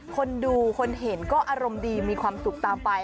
คนดูคนเห็นก็อารมณ์ดีมีความสุขตามไป